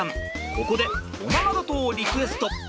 ここでおままごとをリクエスト！